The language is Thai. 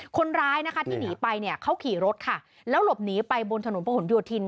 คนร้ายนะคะที่หนีไปเนี่ยเขาขี่รถค่ะแล้วหลบหนีไปบนถนนประหลโยธิน